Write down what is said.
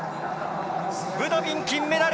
ブドビン、金メダル！